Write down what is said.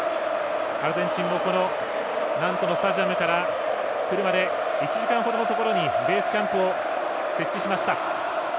アルゼンチンもこのナントのスタジアムから車で１時間ほどのところにベースキャンプを設置しました。